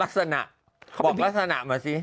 ลักษณะบอกลักษณะมาสิ